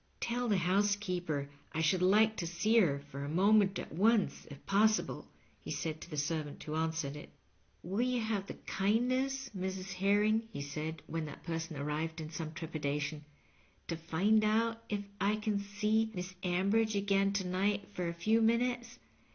"Tell the housekeeper I should like to see her for a moment at once, if possible," he said to the servant who answered it. " Will you have Digitized by VjOOQIC 218 LOVB AND LIGHTNING. the kindnesfi, Mrs. Herring," be said, when that person airiyed in some trepidation, ^^to find ont if I can see Miss Ambridge again to night for a few minntes?